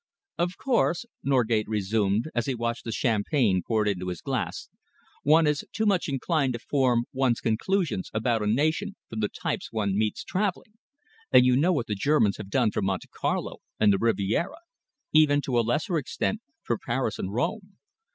"Of course," Norgate resumed, as he watched the champagne poured into his glass, "one is too much inclined to form one's conclusions about a nation from the types one meets travelling, and you know what the Germans have done for Monte Carlo and the Riviera even, to a lesser extent, for Paris and Rome.